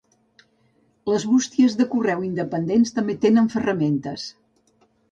Les bústies de correu independents també tenen ferramentes.